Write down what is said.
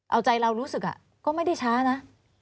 เอาใจเรารู้สึกก็ไม่ได้ช้านะ